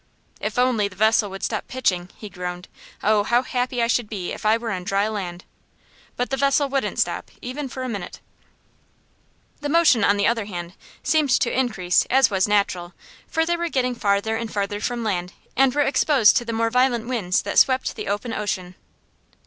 "If only the vessel would stop pitching," he groaned. "Oh, how happy I should be if I were on dry land." But the vessel wouldn't stop even for a minute. The motion, on the other hand, seemed to increase, as was natural, for they were getting farther and farther from land and were exposed to the more violent winds that swept the open ocean.